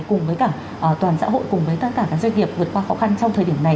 cùng với cả toàn xã hội cùng với tất cả các doanh nghiệp vượt qua khó khăn trong thời điểm này